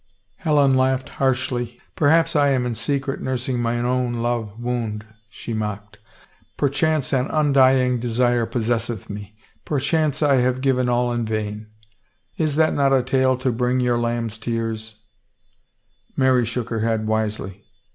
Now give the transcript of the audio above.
Helen laughed harshly. " Perhaps I am in secret nurs ing mine own love wound," she mocked. " Perchance an undying desire possesseth me. Perchance I have given all in vain. Is not that a tale to bring your lamb's tears ?" «1 293 THE FAVOR OF KINGS Mary shook her head wisely.